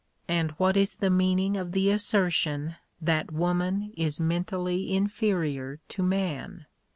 And what is the meaning of the assertion that woman is mentally inferior to man